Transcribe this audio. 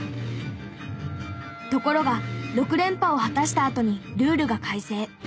ところが６連覇を果たしたあとにルールが改正。